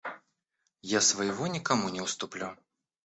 Я своего никому не уступлю.